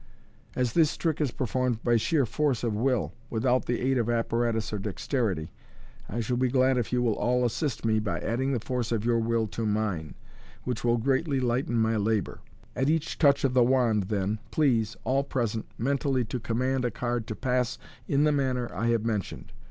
As this trick is performed by sheer force of will, without the aid of apparatus or dexterity, I shall be glad if you will all assist me by adding the force of your will to mine, which will greatly lighten my labour. At each touch of the wand, then, please, all present, mentally to command a card to pass in the manner I have mentioned.